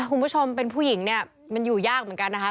คุณผู้ชมเป็นผู้หญิงเนี่ยมันอยู่ยากเหมือนกันนะคะ